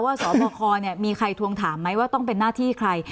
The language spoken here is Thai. สบคมีใครทวงถามไหมว่าต้องเป็นหน้าที่ใคร